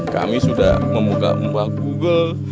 kami sudah membuka mbah google